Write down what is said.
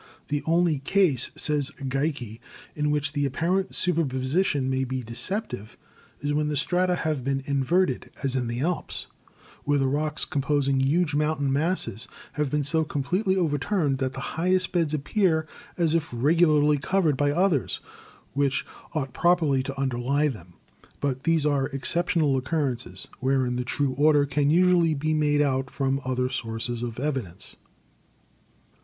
"The only case," says Geikie, "in which the apparent superposition may be deceptive is when the strata have been inverted, as in the Alps, where the rocks composing huge mountain masses have been so completely overturned that the highest beds appear as if regularly covered by others which ought properly to underlie them. But these are exceptional oc currences, wherein the true order can usually be made out from other sources of evidence."